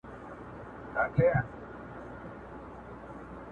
ذوقونه په خورا تادئ خړوبوي